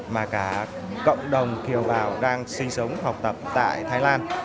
mà cả cộng đồng kiều bào đang sinh sống học tập tại thái lan